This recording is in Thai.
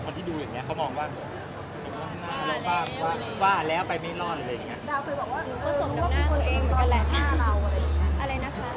เหมือนสมนำหน้าตัวเองด้วยแหละ